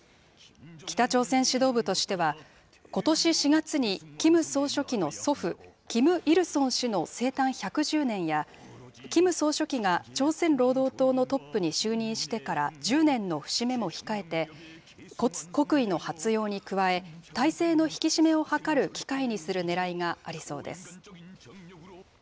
北朝鮮指導部としては、ことし４月に、キム総書記の祖父、キム・イルソン氏の生誕１１０年や、キム総書記が朝鮮労働党のトップに就任してから１０年の節目も控えて、国威の発揚に加え、体制の引き締めを図る機会にするねらいがありそうです。